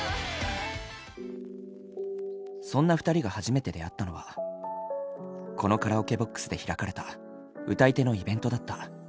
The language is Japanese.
そんな２人が初めて出会ったのはこのカラオケボックスで開かれた歌い手のイベントだった。